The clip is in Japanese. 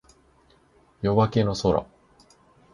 夜明けの空